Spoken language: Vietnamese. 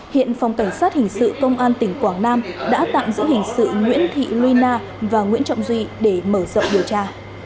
hiện phòng cảnh sát hình sự công an tỉnh quảng nam đã tạm giữ hình sự nguyễn thị luy na và nguyễn trọng duy để mở rộng điều tra